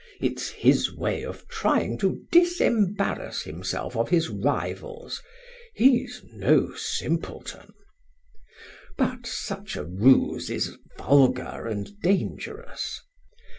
It's his way of trying to disembarrass himself of his rivals: he's no simpleton.' But such a ruse is vulgar and dangerous.